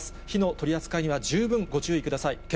火の取り扱いには十分ご注意ください。